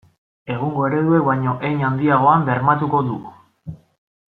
Egungo ereduek baino hein handiagoan bermatuko du.